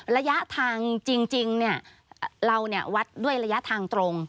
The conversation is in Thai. ระยะทางจริงเราวัดด้วยระยะทางตรง